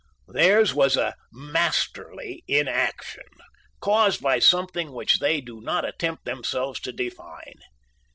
Theirs was a "masterly inaction" caused by something which they do not attempt themselves to define.